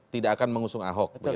tidak akan mengusung ahok